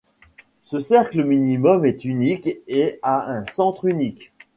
Ce cercle minimum est unique et a un centre unique.